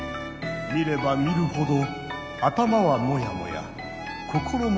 見れば見るほど頭はモヤモヤ心もモヤモヤ。